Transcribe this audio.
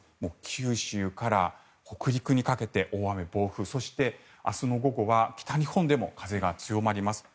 九州から北陸にかけて大雨、暴風そして明日の午後は北日本でも風が強まります。